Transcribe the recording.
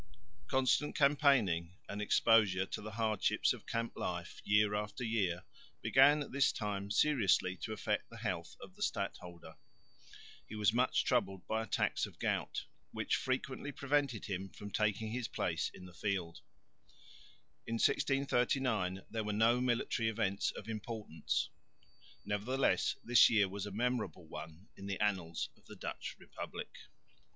Constant campaigning and exposure to the hardships of camp life year after year began at this time seriously to affect the health of the stadholder. He was much troubled by attacks of gout, which frequently prevented him from taking his place in the field. In 1639 there were no military events of importance; nevertheless this year was a memorable one in the annals of the Dutch republic.